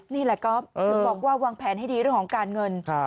นี่แหละก๊อฟถึงบอกว่าวางแผนให้ดีเรื่องของการเงิน